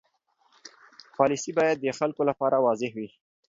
پالیسي باید د خلکو لپاره واضح وي.